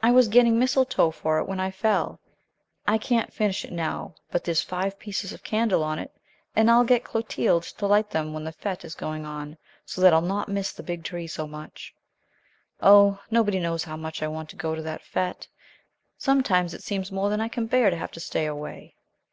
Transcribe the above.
I was getting mistletoe for it when I fell. I can't finish it now, but there's five pieces of candle on it, and I'll get Clotilde to light them while the fête is going on, so that I'll not miss the big tree so much. Oh, nobody knows how much I want to go to that fête! Sometimes it seems more than I can bear to have to stay away."